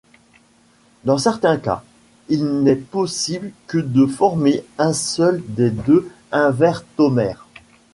Dans certains cas, il n'est possible que de former un seul des deux invertomères.